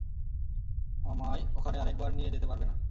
আমায় ওখানে আরেকবার নিয়ে যেতে পারবে না?